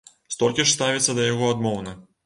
Столькі ж ставіцца да яго адмоўна.